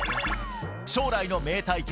○○将来の名対決